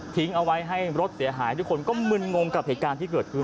เอาไว้ให้รถเสียหายทุกคนก็มึนงงกับเหตุการณ์ที่เกิดขึ้น